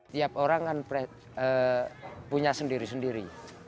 tiap orang kan punya sendiri sendiri